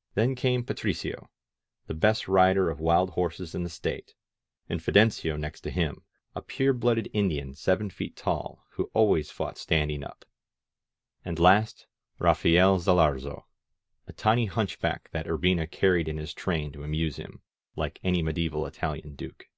... Then came Patricio, the best rider of wild horses in the State, and Fidencio next to him, a pure blooded Indian seven feet tall, who always fought standi S4 THE LION OF DURANGO AT HOME ing up. And last Raphael Zalarzo, a tiny hunchback that Urbina carried in his train to amuse him, like any medieval Italian duke.